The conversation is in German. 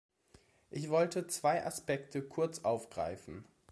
Ich wollte zwei Aspekte kurz aufgreifen.